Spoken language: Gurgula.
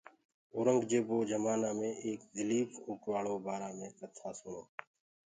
اورنٚگجيبو جمآنآ مي ايڪ دليٚڦ اوٽواݪو بآرآ مي ڪٿا سُڻو